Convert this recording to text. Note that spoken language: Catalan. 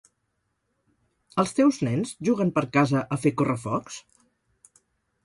Els teus nens juguen per casa a fer correfocs?